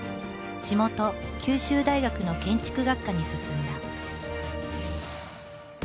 地元九州大学の建築学科に進んだ。